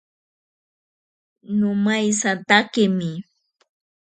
Nomaisatakemi.